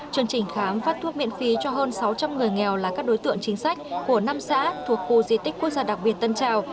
chương trình khám phát thuốc miễn phí cho hơn sáu trăm linh người nghèo là các đối tượng chính sách của năm xã thuộc khu di tích quốc gia đặc biệt tân trào